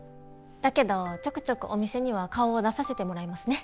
だけどちょくちょくお店には顔を出させてもらいますね。